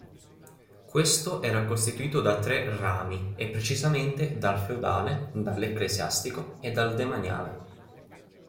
Questo era costituito da tre "rami" e precisamente dal "Feudale", dall"'Ecclesiastico" e dal Demaniale.